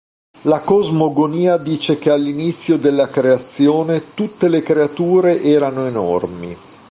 La cosmogonia dice che all'inizio della creazione, tutte le creature erano enormi.